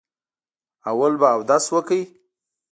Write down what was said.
اول به اودس وکړئ.